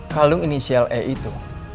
kalung inisial e itu